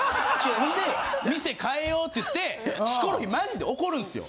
ほんで店変えよって言ってヒコロヒーマジで怒るんすよ。